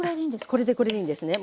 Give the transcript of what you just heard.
これでこれでいいんですね。